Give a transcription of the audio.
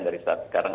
dari saat sekarang